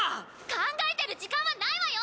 考えてる時間はないわよ！